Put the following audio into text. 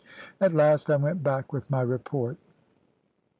At last I went back with my report.